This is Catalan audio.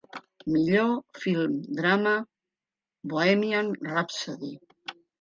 Millor film drama: ‘Bohemian Rhapsody’